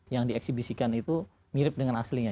yang dieksibisikan itu mirip dengan aslinya